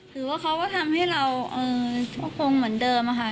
ถือว่าเขาก็ทำให้เราก็คงเหมือนเดิมค่ะ